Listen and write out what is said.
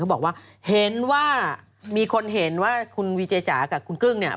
บอกว่าเห็นว่ามีคนเห็นว่าคุณวีเจจ๋ากับคุณกึ้งเนี่ย